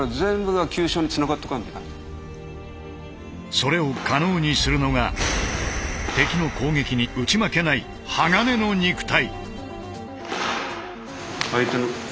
それを可能にするのが敵の攻撃に打ち負けない鋼の肉体。